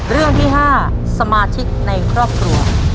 เรื่องที่๕สมาชิกในครอบครัว